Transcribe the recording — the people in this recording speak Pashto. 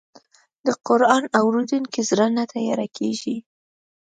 د قرآن اورېدونکی زړه نه تیاره کېږي.